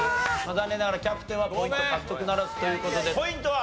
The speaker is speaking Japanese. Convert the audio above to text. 残念ながらキャプテンはポイント獲得ならずという事でポイントは？